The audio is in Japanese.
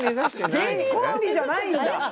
芸人コンビじゃないんだ。